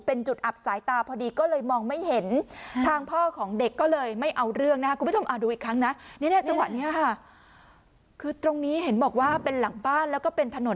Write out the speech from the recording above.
เป็นจุดอับสายตาพอดีก็เลยมองไม่เห็น